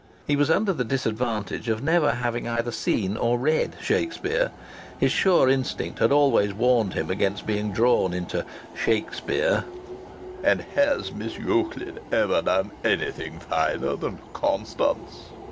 He was under the disadvantage of never having either seen or read "Shakspere." His sure instinct had always warned him against being drawn into "Shakspere." "And has Miss Euclid ever done anything finer than Constance?"